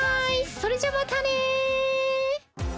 それじゃまたね！